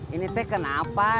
ini teh kenapa